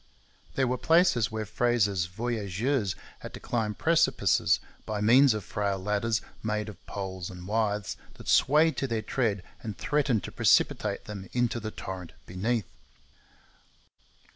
There were places where Fraser's voyageurs had to climb precipices by means of frail ladders, made of poles and withes, that swayed to their tread and threatened to precipitate them into the torrent beneath.